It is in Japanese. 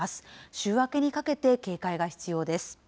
週明けにかけて、警戒が必要です。